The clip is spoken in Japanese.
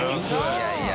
いやいや。